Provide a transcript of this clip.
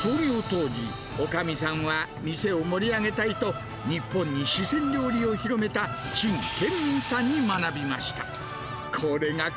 創業当時、おかみさんは店を盛り上げたいと、日本に四川料理を広めた陳健民さんに学びました。